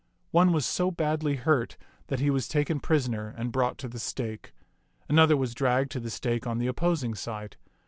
One was so badly hurt that he was taken prisoner and brought to the stake; an other was dragged to the stake on the opposing side.